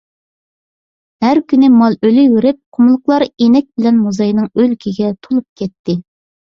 ھەر كۈنى مال ئۆلۈۋېرىپ، قۇملۇقلار ئىنەك بىلەن موزاينىڭ ئۆلۈكىگە تولۇپ كەتتى.